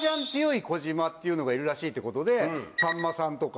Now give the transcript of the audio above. っていうのがいるらしいってことで。